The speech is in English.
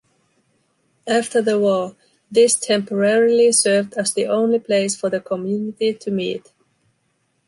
After the war, this temporarily served as the only place for the community to meet.